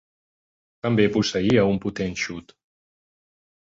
També posseïa un potent xut.